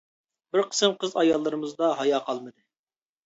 بىر قىسىم قىز ئاياللىرىمىزدا ھايا قالمىدى.